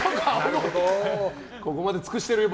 ここまで尽くしてるよ